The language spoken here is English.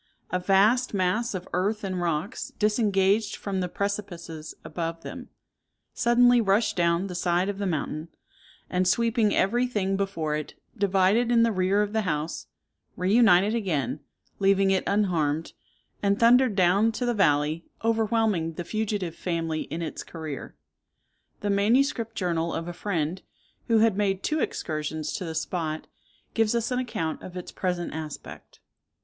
A vast mass of earth and rocks, disengaged from the precipices above them, suddenly rushed down the side of the mountain, and sweeping every thing before it, divided in the rear of the house, reunited again, leaving it unharmed, and thundered down to the valley, overwhelming the fugitive family in its career. The manuscript journal of a friend, who had made two excursions to the spot, gives us an account of its present aspect.